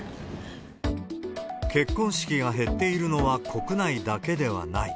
結婚式が減っているのは国内だけではない。